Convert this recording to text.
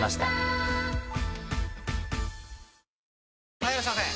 ・はいいらっしゃいませ！